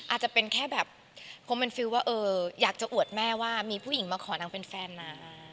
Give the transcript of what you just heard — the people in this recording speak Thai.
อาจจะเป็นแค่แบบคงเป็นฟิลว่าอยากจะอวดแม่ว่ามีผู้หญิงมาขอนางเป็นแฟนมา